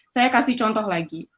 saya kasih contoh lagi